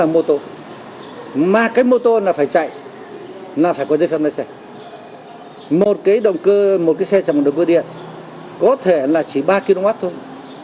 một cái xe chẳng có động cơ điện có thể là chỉ ba kw thôi